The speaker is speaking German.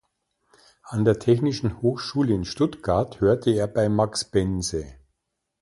An der Technischen Hochschule in Stuttgart hörte er bei Max Bense.